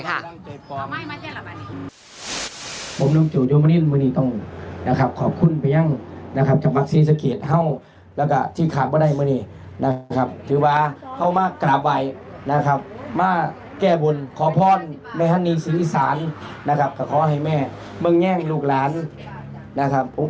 อ่ะไปดูคลิปกันหน่อยค่ะ